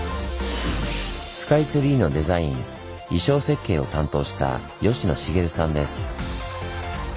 スカイツリーのデザイン意匠設計を担当した吉野繁さんです。